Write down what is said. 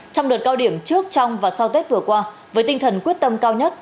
trong đợt cao điểm trước trong và sau tết vừa qua với tinh thần quyết tâm cao nhất